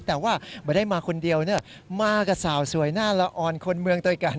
แต่ว่าไม่ได้มาคนเดียวมากับสาวสวยหน้าละออนคนเมืองด้วยกัน